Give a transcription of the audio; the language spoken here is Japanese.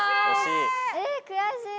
えくやしい！